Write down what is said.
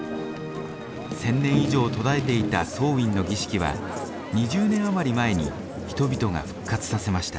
１，０００年以上途絶えていたソーウィンの儀式は２０年余り前に人々が復活させました。